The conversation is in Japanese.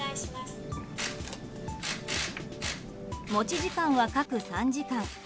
持ち時間は各３時間。